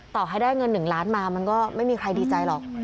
ต่อให้ได้เงิน๑ล้านมามันก็ไม่มีใครดีใจหรอก